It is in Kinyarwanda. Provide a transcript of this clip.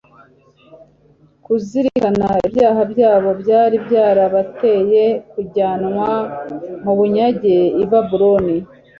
kuzirikana ibyaha byabo byari byarabateye kujyanwa mu bunyage i Babuloni